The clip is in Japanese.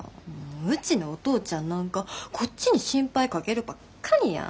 うちのお父ちゃんなんかこっちに心配かけるばっかりや。